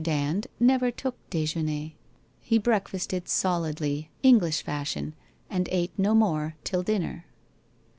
Dand never took dejeuner. He breakfasted solidly, English fashion, and ate no more till dinner.